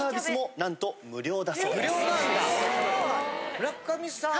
村上さん